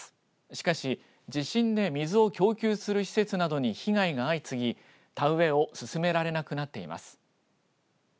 しかし、地震で水を供給する施設などに被害が相次ぎ、田植えを進められなくなっています。